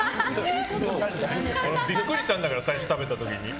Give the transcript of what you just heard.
俺、ビックリしたんだから最初食べた時に。